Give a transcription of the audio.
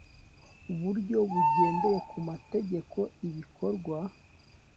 buryo bugendeye ku mategeko ibikorwa